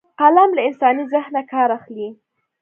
قلم له انساني ذهنه کار اخلي